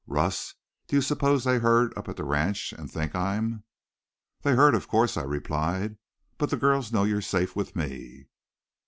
"Russ, do you suppose they heard up at the ranch and think I'm " "They heard, of course," I replied. "But the girls know you're safe with me."